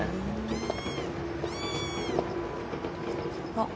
・あっ。